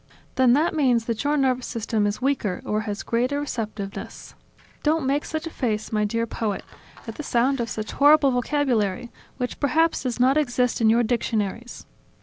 "Then that means that your nervous system is weaker or has greater receptiveness ... Don't make such a face, my dear poet, at the sound of such of horrible vocabulary, which perhaps does not exist in your dictionaries.